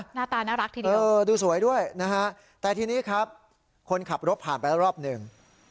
หน้าตาน่ารักทีเดียวเออดูสวยด้วยนะฮะแต่ทีนี้ครับคนขับรถผ่านไปแล้วรอบหนึ่ง